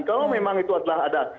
kalau memang itu adalah ada